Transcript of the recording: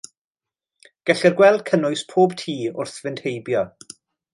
Gellir gweld cynnwys pob tŷ wrth fynd heibio.